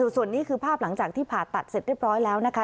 ส่วนนี้คือภาพหลังจากที่ผ่าตัดเสร็จเรียบร้อยแล้วนะคะ